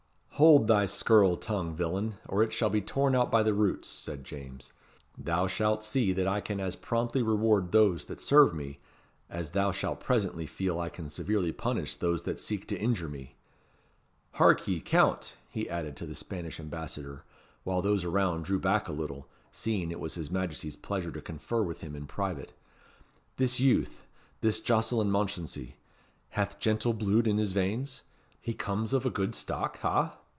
"Hold thy scurril tongue, villain, or it shall be torn out by the roots," said James. "Thou shalt see that I can as promptly reward those that serve me, as thou shalt presently feel I can severely punish those that seek to injure me. Hark ye, Count!" he added to the Spanish Ambassador, while those around drew back a little, seeing it was his Majesty's pleasure to confer with him in private, "this youth this Jocelyn Mounchensey, hath gentle bluid in his veins? he comes of a good stock, ha?"